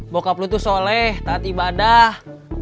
bokap lu tuh soleh taat ibadah